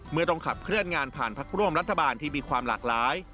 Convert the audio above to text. เมื่อต้องขับเคลื่อนงานผ่านพักร่วมรัฐบาลที่มีความหลากหลาย